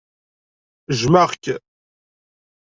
Jjmeɣ-k.